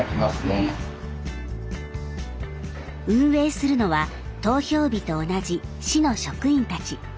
運営するのは投票日と同じ市の職員たち。